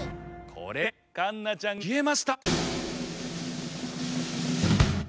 これでかんなちゃんがきえました！